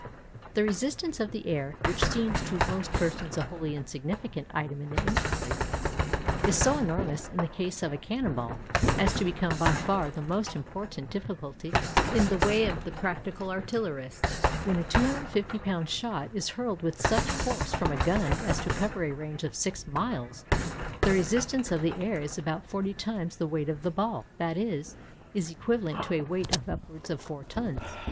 The resistance of the air, which seems to most persons a wholly insignificant item in the inquiry, is so enormous in the case of a cannon ball as to become by far the most important difficulty in the way of the practical artillerist. When a 250 lb. shot is hurled with such force from a gun as to cover a range of six miles, the resistance of the air is about forty times the weight of the ball—that is, is equivalent to a weight of upwards of four tons.